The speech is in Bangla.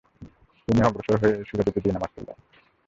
তিনি অগ্রসর হয়ে এ সূরা দুটি দিয়ে নামায পড়ালেন।